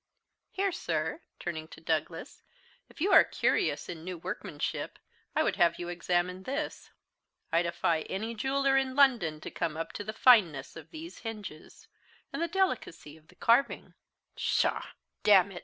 Here, sir," turning to Douglas, "if you are curious in new workmanship, I would have you examine this. I defy any jeweller in London to come up to the fineness of these hinges, and delicacy of the carving " "Pshaw, damn it!"